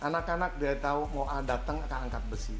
anak anak dia tau mau dateng akan angkat besi